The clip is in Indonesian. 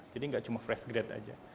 jadi nggak cuma fresh grade aja